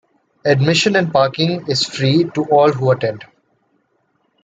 Admission and parking is free to all who attend.